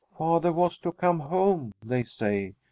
"Father was to come home," they say.